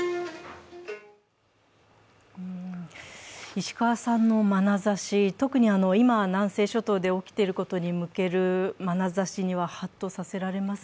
石川さんのまなざし、特に今南西諸島で起きていることに向けるまなざしにはハッとさせられます。